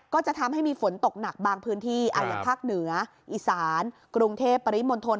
ก็จะทำให้มีฝนตกหนักบางพื้นที่อย่างภาคเหนืออีสานกรุงเทพปริมณฑล